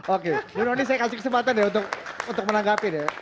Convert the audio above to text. oke dononi saya kasih kesempatan untuk menanggapi